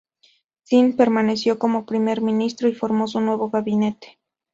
Zinn permaneció como primer ministro y formó su nuevo gabinete.